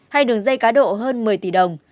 hay đường dây cá độ hơn một mươi tỷ đồng